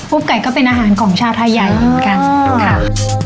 ไก่ก็เป็นอาหารของชาวไทยใหญ่เหมือนกันค่ะ